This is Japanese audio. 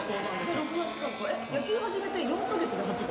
で６月だから野球始めて４カ月で８番？